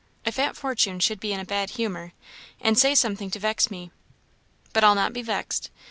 "If Aunt Fortune should be in a bad humour and say something to vex me but I'll not be vexed.